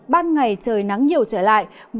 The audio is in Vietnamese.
ban ngày trời nắng nhiều trở lại